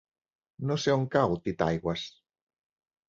No sé on cau Titaigües.